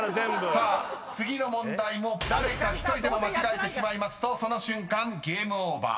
［さあ次の問題も誰か１人でも間違えてしまいますとその瞬間ＧＡＭＥＯＶＥＲ。